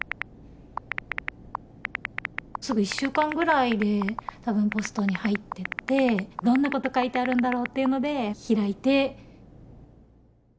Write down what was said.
すぐ１週間ぐらいで多分ポストに入っててどんなこと書いてあるんだろうっていうので開いて。